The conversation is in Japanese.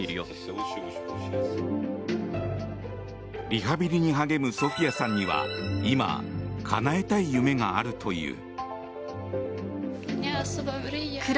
リハビリに励むソフィヤさんには今、かなえたい夢があるという。